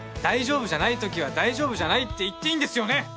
大丈夫じゃない時は大丈夫じゃないって言っていいんですよね！